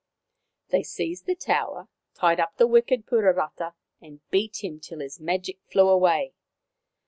They seized the tower, tied up the wicked Puarata, and beat him till his magic flew away.